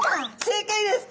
正解です！